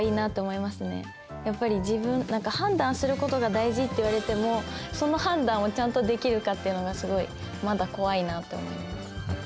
やっぱり判断することが大事って言われてもその判断をちゃんとできるかっていうのがすごいまだ怖いなと思います。